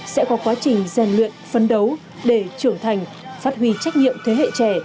sẽ có quá trình rèn luyện phấn đấu để trưởng thành phát huy trách nhiệm thế hệ trẻ